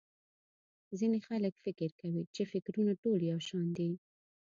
ځينې خلک فکر کوي چې٫ فکرونه ټول يو شان دي.